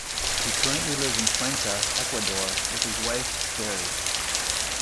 He currently lives in Cuenca, Ecuador with his wife, Geri.